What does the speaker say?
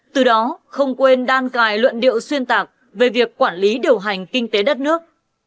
từ đó không quên đan cài luận điệu xuyên tạc về việc quản lý điều hành kinh tế đất nước